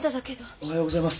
おはようございます。